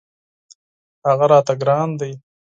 هغه راته ګران دی.